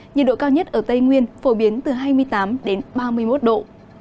nhiệt độ cao nhất ở tây nguyên phổ biến từ hai mươi tám đến ba mươi một độ